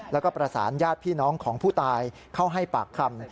แล้วก็ประสานญาติพี่น้องของผู้ตายเข้าให้ปากคำ